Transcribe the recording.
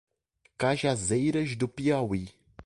Cajazeiras do Piauí